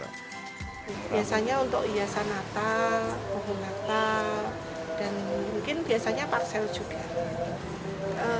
biasanya untuk hiasan natal pohon natal dan mungkin biasanya parsel juga